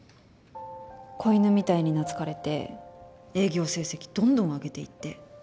子犬みたいに懐かれて営業成績どんどん上げていって。